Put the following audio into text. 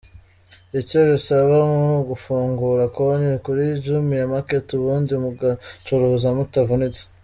Icyo bisaba n'ugufungura konti kuri Jumia Market ubundi mugacuruza mutavunitse.